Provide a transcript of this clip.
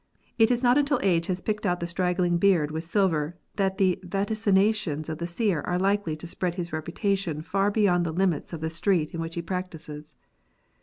It is not until age has picked out the straggling beard with silver that the vaticinations of the seer are likely to spread his reputation far beyond the limits of the street in which he practises.